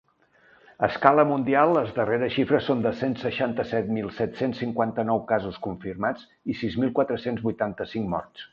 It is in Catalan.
A escala mundial les darreres xifres són de cent seixanta-set mil set-cents cinquanta-nou casos confirmats i sis mil quatre-cents vuitanta-cinc morts.